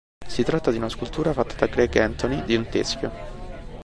Si tratta di una scultura fatta da Greg Anthony di un teschio.